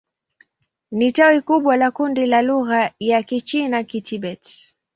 Ni tawi kubwa la kundi la lugha za Kichina-Kitibet.